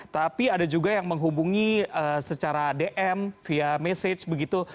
tapi ada juga yang menghubungi secara dm via message begitu